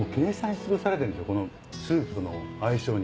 このスープとの相性に。